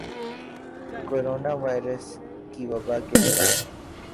corona virus کی وبا کے دوران